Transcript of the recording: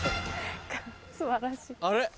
あれ？